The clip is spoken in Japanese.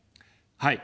はい。